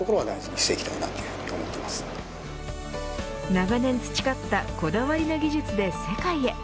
長年培ったこだわりの技術で世界へ。